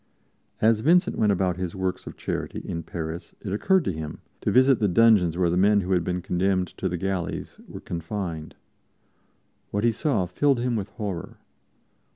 As Vincent went about his works of charity in Paris it occurred to him to visit the dungeons where the men who had been condemned to the galleys were confined. What he saw filled him with horror.